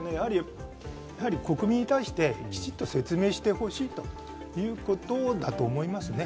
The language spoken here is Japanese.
国民に対してきちっと説明してほしいということだと思いますね。